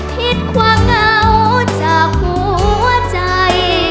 คิดความเหงาจากหัวใจ